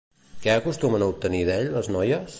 Què acostumen a obtenir d'ell les noies?